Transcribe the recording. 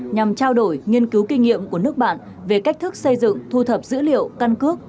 nhằm trao đổi nghiên cứu kinh nghiệm của nước bạn về cách thức xây dựng thu thập dữ liệu căn cước